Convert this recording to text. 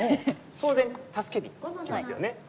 当然助けにきますよね。